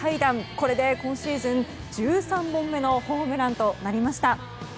これで、今シーズン１３本目のホームランとなりました。